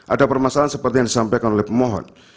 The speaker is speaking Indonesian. ada permasalahan seperti yang disampaikan oleh pemohon